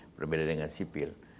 berbeda dengan sipil